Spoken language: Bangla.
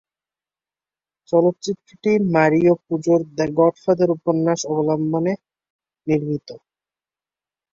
চলচ্চিত্রটি মারিও পুজোর "দ্য গডফাদার" উপন্যাস অবলম্বনে নির্মিত।